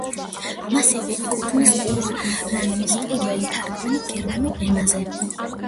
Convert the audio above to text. მასვე ეკუთვნის ყურანის პირველი თარგმანი გერმანულ ენაზე.